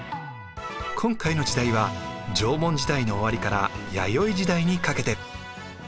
今回の時代は縄文時代の終わりから弥生時代にかけて。